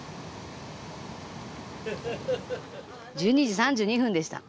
１２時３２分でした。